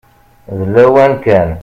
D lawan kan.